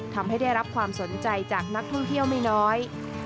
ทำให้ได้รับความสนใจจากนักท่องเที่ยวไม่น้อย